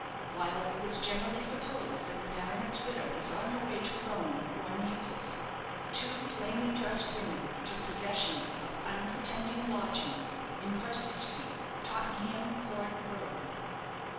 While it was generally supposed that the baronet's widow was on her way to Rome or Naples, two plainly dressed women took possession of unpretending lodgings in Percy Street, Tottenham Court Road.